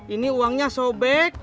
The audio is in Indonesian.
ini uangnya sobek